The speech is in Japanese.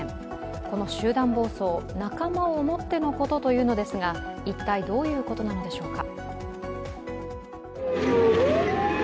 この集団暴走、仲間を思ってのことというのですが一体どういうことなのでしょうか？